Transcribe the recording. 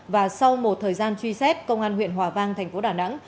và sau một thời gian truy xét công an huyện hòa vang thành phố đà nẵng